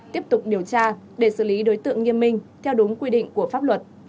tiếp tục điều tra để xử lý đối tượng nghiêm minh theo đúng quy định của pháp luật